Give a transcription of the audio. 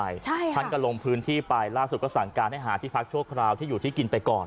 ใช่ท่านก็ลงพื้นที่ไปล่าสุดก็สั่งการให้หาที่พักชั่วคราวที่อยู่ที่กินไปก่อน